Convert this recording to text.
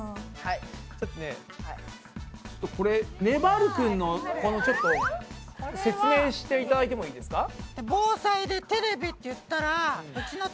ちょっとこれねばる君のこのちょっと説明していだたいてもいいですか？